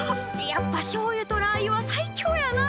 やっぱしょうゆとラー油は最強やな！